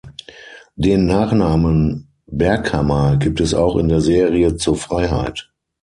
Den Nachnamen "Berghammer" gibt es auch in der Serie "Zur Freiheit".